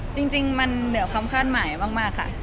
จริงมันเหนือความคาดหมายมากค่ะ